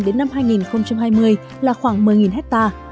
đến năm hai nghìn hai mươi là khoảng một mươi hectare